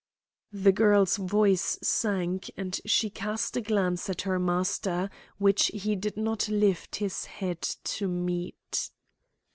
The girl's voice sank and she cast a glance at her master which he did not lift his head to meet.